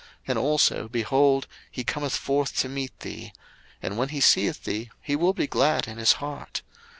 And also, behold, he cometh forth to meet thee: and when he seeth thee, he will be glad in his heart.